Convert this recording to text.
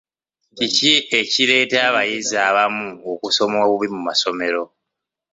Kiki ekireetera abayizi abamu okusoma obubi mu amasomero?